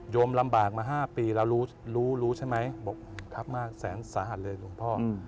โยมลำบากมา๕ปีเรารู้ใช่ไหมบอกครับมากแสนสาหัสเลยหลวงพ่อ